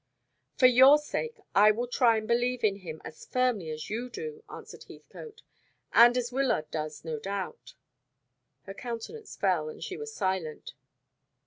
"For your sake I will try and believe in him as firmly as you do," answered Heathcote, "and as Wyllard does, no doubt." Her countenance fell, and she was silent.